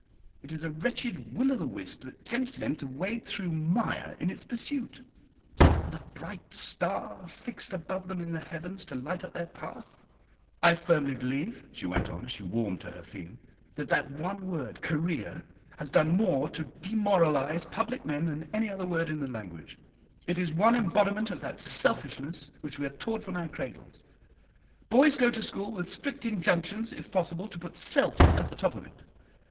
It is a wretched Will o' the wisp that tempts men to wade through mire in its pursuit, not the bright star fixed above them in the heavens to light up their path. I firmly believe," she went on, as she warmed to her theme, "that that one word 'Career,' has done more to demoralise public men than any other word in the language. It is one embodiment of that selfishness which we are taught from our cradles. Boys go to school with strict injunctions if possible to put self at the top of it.